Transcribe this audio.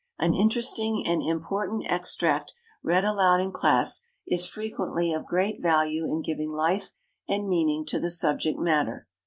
An interesting and important extract read aloud in class is frequently of great value in giving life and meaning to the subject matter.